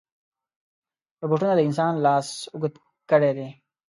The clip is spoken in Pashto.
روبوټونه د انسان لاس اوږد کړی دی.